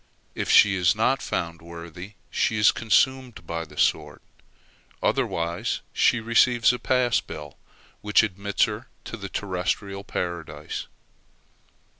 If she is not found worthy, she is consumed by the sword; otherwise she receives a pass bill, which admits her to the terrestrial Paradise.